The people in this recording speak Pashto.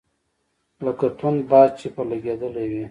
لکه توند باد چي پر لګېدلی وي .